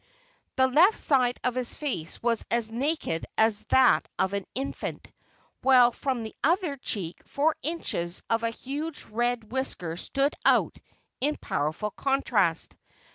The left side of his face was as naked as that of an infant, while from the other cheek four inches of a huge red whisker stood out in powerful contrast.